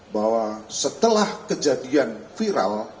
bahwa setelah kejadian viral